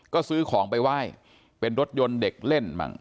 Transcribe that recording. ก็ซื้อของไปไหว้เป็นรถยนต์เด็กเล่นบ้าง